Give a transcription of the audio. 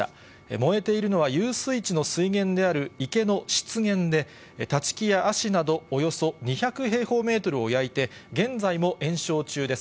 燃えているのは、遊水地の水源である池の湿原で、立ち木やアシなど、およそ２００平方メートルを焼いて、現在も延焼中です。